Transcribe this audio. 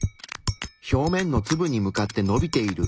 表面のツブに向かってのびている。